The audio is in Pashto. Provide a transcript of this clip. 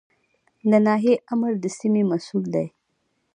د ناحیې آمر د سیمې مسوول دی